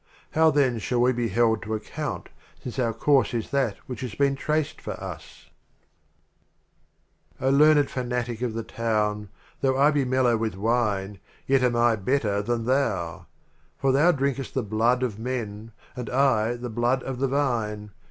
How then shall we be held to ac count, Since our Course is that which has been traced for us ? LXXVI. O learned Fanatic of the Town, Though I be mellow with Wine yet am I better than thou! For thou drinkest the Blood of Men, and I the Blood of the Vine.